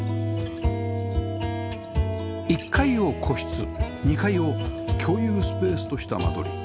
１階を個室２階を共有スペースとした間取り